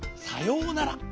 さようなら。